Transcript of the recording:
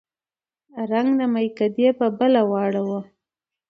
رنګ د مېکدې په بله واړوه